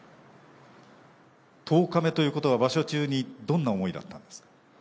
１０日目ということは、場所中にどんな思いだったんですか？